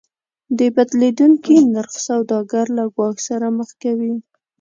د بدلیدونکي نرخ سوداګر له ګواښ سره مخ کوي.